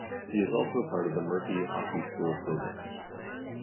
He is also a part of the Murphy Hockey School program.